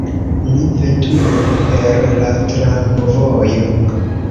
Ni veturu per la tramvojo.